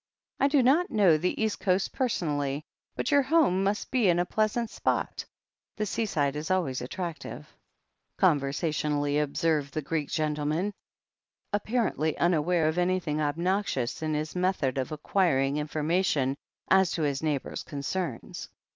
"I do not know the East Coast personally, but your home must be in a pleasant spot. The seaside is always attractive," conversationally observed the Greek gentle man, apparently unaware of anything obnoxious in his method of acquiring information as to his neighbour's concerns.